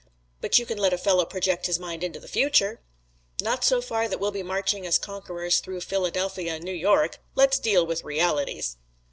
"But you can let a fellow project his mind into the future." "Not so far that we'll be marching as conquerors through Philadelphia and New York. Let's deal with realities."